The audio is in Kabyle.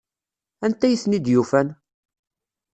Anta ay ten-id-yufan?